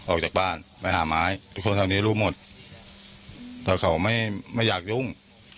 ออกจากบ้านไปหาไม้ทุกคนทางนี้รู้หมดแต่เขาไม่ไม่อยากยุ่ง